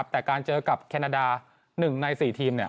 แต่การเจอกับแคนาดา๑ใน๔ทีม